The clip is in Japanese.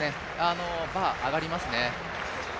バー、上がりますね。